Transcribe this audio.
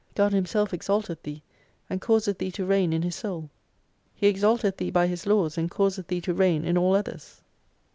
God Himself exalteth thee, and causeth thee to reign in His soul. He exalteth thee by His laws and causeth thee to reign in all others.